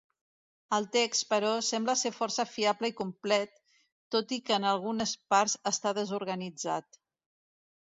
El text, però, sembla ser força fiable i complet, tot i que en algunes parts està desorganitzat.